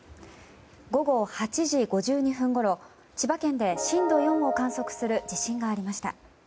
午後８時５２分ごろ千葉県で、震度４を観測する地震がありました。